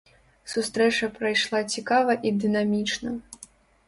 Сустрэча прайшла цікава і дынамічна.